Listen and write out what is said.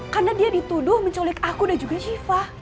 karena dia dituduh menculik aku dan juga shiva